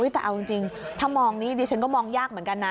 แต่เอาจริงถ้ามองนี้ดิฉันก็มองยากเหมือนกันนะ